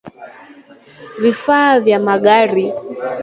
vifaa vya magari